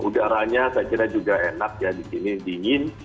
udaranya saya kira juga enak ya di sini dingin